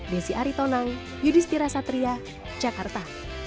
desi aritonang yudhistira satria jakarta